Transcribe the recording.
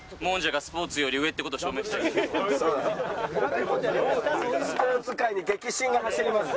スポーツ界に激震が走ります。